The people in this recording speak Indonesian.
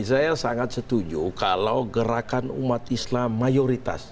saya sangat setuju kalau gerakan umat islam mayoritas